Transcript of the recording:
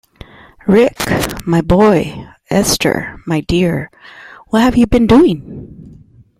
Rick, my boy, Esther, my dear, what have you been doing?